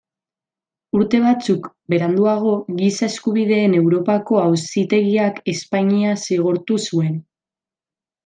Urte batzuk beranduago Giza Eskubideen Europako Auzitegiak Espainia zigortu zuen.